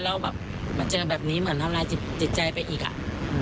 แล้วแบบมาเจอแบบนี้เหมือนทำลายจิตใจไปอีกอ่ะ